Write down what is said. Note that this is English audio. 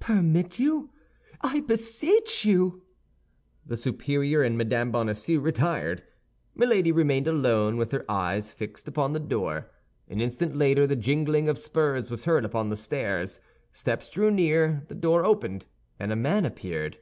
"Permit you? I beseech you." The superior and Mme. Bonacieux retired. Milady remained alone, with her eyes fixed upon the door. An instant later, the jingling of spurs was heard upon the stairs, steps drew near, the door opened, and a man appeared.